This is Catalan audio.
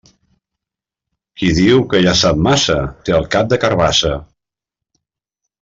Qui diu que ja sap massa, té el cap de carabassa.